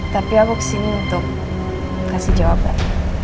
tapi aku kesini untuk kasih jawaban